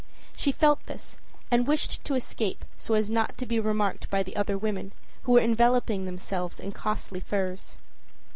She felt this and wished to escape so as not to be remarked by the other women, who were enveloping themselves in costly furs.